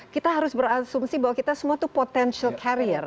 kita harus berasumsi bahwa kita semua itu potensial karier